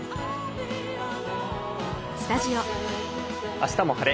「あしたも晴れ！